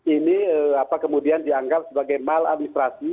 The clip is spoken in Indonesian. ini kemudian dianggap sebagai mal administrasi